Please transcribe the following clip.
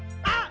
「あ！